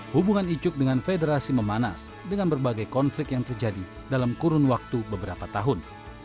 hubungan icuk dengan federasi memanas dengan berbagai konflik yang terjadi dalam kurun waktu beberapa tahun